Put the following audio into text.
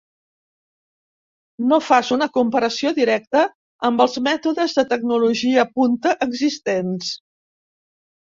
No fas una comparació directa amb els mètodes de tecnologia punta existents.